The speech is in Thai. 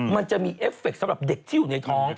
มันจะมีเอฟเฟคสำหรับเด็กที่อยู่ในท้อง